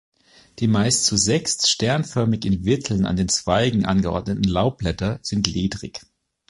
Die meist zu sechst sternförmig in Wirteln an den Zweigen angeordneten Laubblätter sind ledrig.